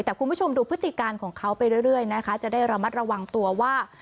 แต่คุณผู้ชมดูพฤติการของเขาไปเรื่อยนะคะจะได้ระมัดระวังตัวว่า